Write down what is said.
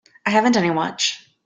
I haven't any watch.